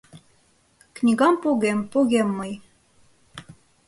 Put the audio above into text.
Книгам погем, погем мый.